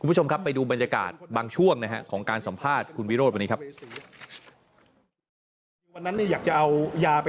คุณผู้ชมครับไปดูบรรยากาศบางช่วงนะฮะของการสัมภาษณ์คุณวิโรธวันนี้ครับ